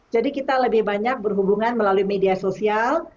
jadi kita lebih banyak berhubungan melalui media sosial